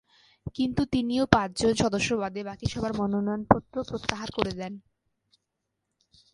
কিন্তু তিনিও পাঁচজন সদস্য বাদে বাকি সবার মনোনয়নপত্র প্রত্যাহার করে নেন।